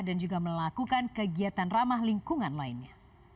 juga melakukan kegiatan ramah lingkungan lainnya